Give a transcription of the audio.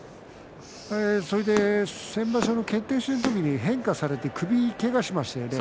それで先場所の決定戦の時に変化されて首をけがしましたよね。